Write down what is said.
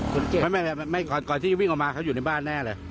คนเจ็บไม่ก่อนที่วิ่งออกมาเขาอยู่ในบ้านแน่เลย